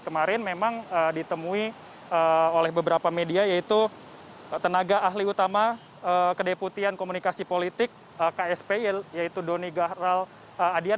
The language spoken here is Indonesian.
kemarin memang ditemui oleh beberapa media yaitu tenaga ahli utama kedeputian komunikasi politik kspi yaitu doni gahral adian